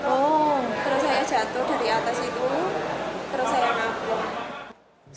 terus saya jatuh dari atas itu terus saya ngapuk